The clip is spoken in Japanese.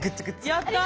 あやった！